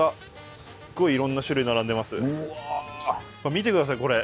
見てくださいこれ。